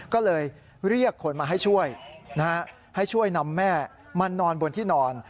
ก็เลยเรียกคนมาให้ช่วยให้ช่วยนำแม่มานอนบนที่นอน